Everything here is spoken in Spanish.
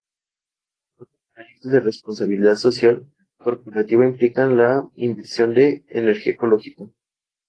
No obstante, los esfuerzos del partido para crear una base electoral fracasaron repetidamente.